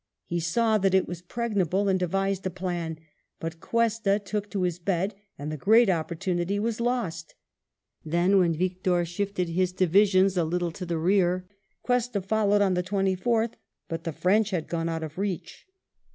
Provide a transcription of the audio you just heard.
He saw that it was pregnable and devised a plan, but Cuesta took to his bed, and the great opportunity was lost. Then, when Victor shifted his divisions a little to the rear, Cuesta followed on the 24tli, but the French had gone out of reach.